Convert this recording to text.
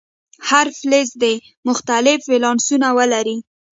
هر فلز دې مختلف ولانسونه ولري.